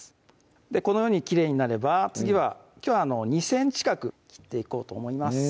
このようにきれいになれば次はきょうは２ｃｍ角切っていこうと思います